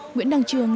nguyễn đăng trương